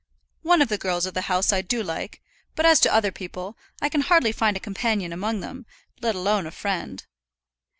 One of the girls of the house I do like; but as to other people, I can hardly find a companion among them, let alone a friend.